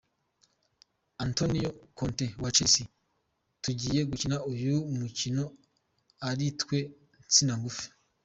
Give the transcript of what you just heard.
Antonio Conte wa Chelsea:Tugiye gukina uyu mukino aritwe nsina ngufi.